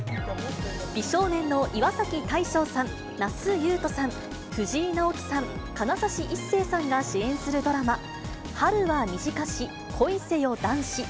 美少年の岩崎大昇さん、那須雄登さん、藤井直樹さん、金指一世さんが主演するドラマ、春は短し恋せよ男子。